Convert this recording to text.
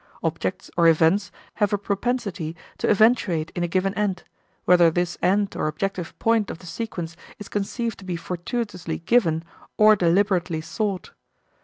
Objects or events have a propensity to eventuate in a given end, whether this end or objective point of the sequence is conceived to be fortuitously given or deliberately sought.